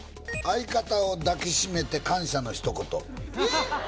「相方を抱きしめて感謝の一言」